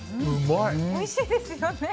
おいしいですよね。